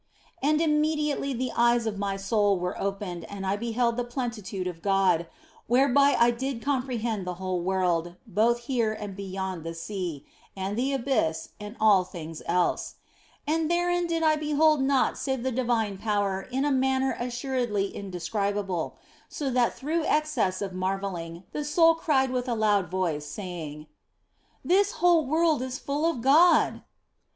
And immediately the eyes of my soul were opened and I beheld the plenitude of God, whereby I did compre hend the whole world, both here and beyond the sea, and the abyss and all things else ; and therein did I behold naught save the divine power in a manner assuredly in describable, so that through excess of marvelling the soul cried with a loud voice, saying, " This whole world is full of God